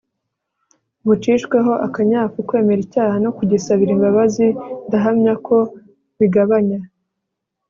bucishweho akanyafu. kwemera icyaha no kugisabira imbabazi ndahamya ko bigabanya